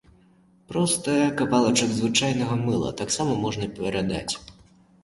Проста кавалачак звычайнага мыла таксама можна перадаць.